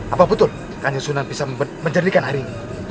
apa betul kandung sunan bisa menjernihkan air ini